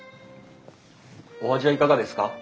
お味はいかがですか？